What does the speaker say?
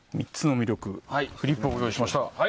フリップをご用意しました。